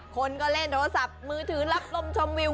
คนก็เล่นโทรศัพท์มือถือรับลมชมวิว